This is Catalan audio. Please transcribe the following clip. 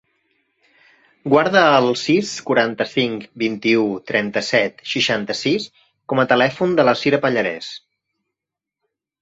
Guarda el sis, quaranta-cinc, vint-i-u, trenta-set, seixanta-sis com a telèfon de la Sira Pallares.